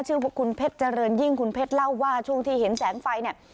ชื่อว่าคุณเพชรเจริญยิ่งคุณเพชรเล่าว่าช่วงที่เห็นแสงไฟเนี่ย